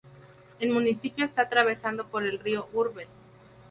El municipio está atravesado por el río Urbel.